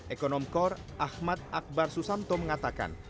ekonom kor ahmad akbar susanto mengatakan